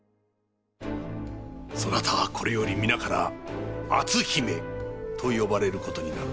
そなたはこれより皆から篤姫と呼ばれることになろう。